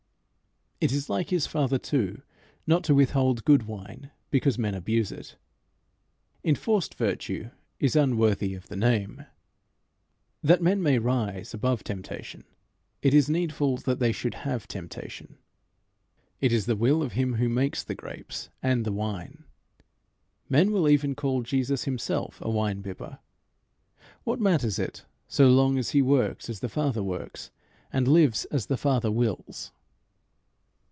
It is like his Father, too, not to withhold good wine because men abuse it. Enforced virtue is unworthy of the name. That men may rise above temptation, it is needful that they should have temptation. It is the will of him who makes the grapes and the wine. Men will even call Jesus himself a wine bibber. What matters it, so long as he works as the Father works, and lives as the Father wills?